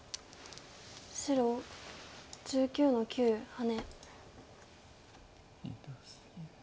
白１９の九ハネ。